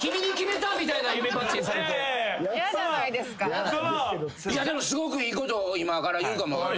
いやでもすごくいいこと今から言うかもわかんない。